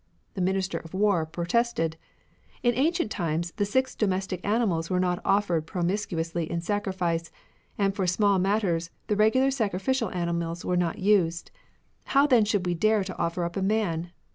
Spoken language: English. The Minister of War protested : "In ancient times the six domestic animals were not offered promiscuously in sacrifice ; and for small matters, the regular sacrificial animals were not used. How then should we dare to offer up a man